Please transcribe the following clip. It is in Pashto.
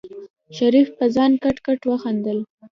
شريف په ځان کټ کټ وخندل.